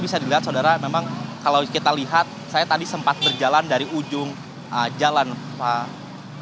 bisa dilihat saudara memang kalau kita lihat saya tadi sempat berjalan dari ujung jalan pak